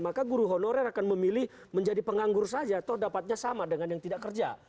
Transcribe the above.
maka guru honorer akan memilih menjadi penganggur saja atau dapatnya sama dengan yang tidak kerja